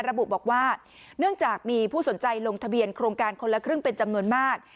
ระบุบอกว่าเนื่องจากมีผู้สนใจลงทะเบียนโครงการคนละครึ่งเป็นจำนวนมาก